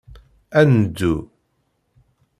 Ad neddu.